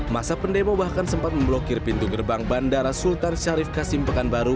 masa pendemo bahkan sempat memblokir pintu gerbang bandara sultan syarif kasim pekanbaru